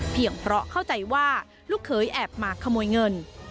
เพราะเข้าใจว่าลูกเคยแอบมาขโมยเงิน